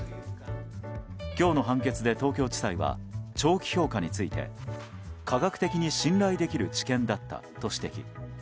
今日の判決で東京地裁は長期評価について科学的に信頼できる知見だったと指摘。